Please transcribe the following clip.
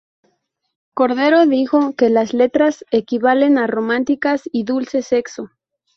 Cordero, dijo que las letras, equivalen a románticas y el dulce sexo.